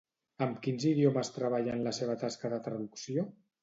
Amb quins idiomes treballa en la seva tasca de traducció?